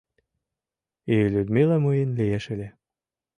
И Людмила мыйын лиеш ыле.